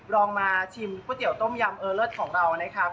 ลองมาชิมก๋วยเตี๋ยวต้มยำเออเลิศของเรานะครับ